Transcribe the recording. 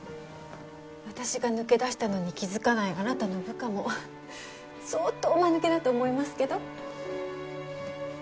私が抜け出したのに気づかないあなたの部下も相当間抜けだと思いますけど。